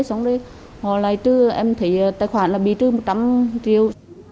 xong rồi họ lại trừ em thấy tài khoản là bị trừ một trăm linh triệu